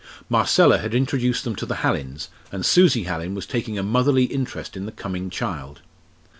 Marcella had introduced them to the Hallins, and Susie Hallin was taking a motherly interest in the coming child.